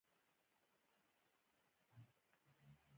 مشر، کشر په یو خوله و